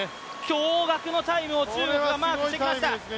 驚がくのタイムを中国がマークしてきました。